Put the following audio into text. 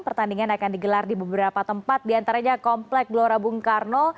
pertandingan akan digelar di beberapa tempat diantaranya komplek gelora bung karno